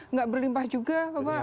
tidak berlimpah juga bapak